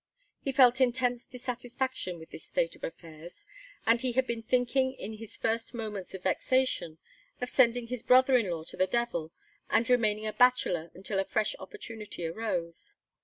He felt intense dissatisfaction with this state of affairs and he had been thinking in his first moments of vexation of sending his brother in law to the devil and remaining a bachelor until a fresh opportunity arose.